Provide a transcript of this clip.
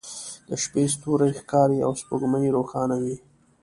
د شپې ستوری ښکاري او سپوږمۍ روښانه وي